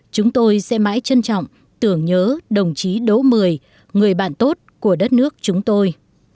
chúng tôi sẽ mãi trân trọng tưởng nhớ đồng chí đỗ mười người bạn tốt của đất nước chúng tôi